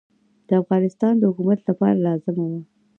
د افغانستان د حکومت لپاره لازمه وه.